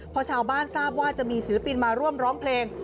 พอชาวบ้านทราบว่าจะมีศิลปินมาร่วมร้องเพลง